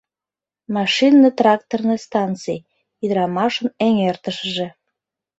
Машинно-тракторный станций — ӱдырамашын эҥертышыже.